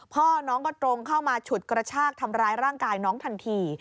พ่อน้องก็ตรงเข้ามาฉุดกระชากทำร้ายร่างกายน้องทันที